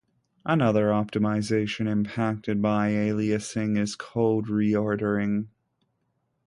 Another optimization impacted by aliasing is code reordering.